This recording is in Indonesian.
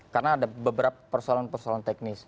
karena ada beberapa persoalan persoalan teknis